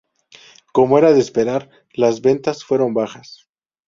Como era de esperar, las ventas fueron bajas.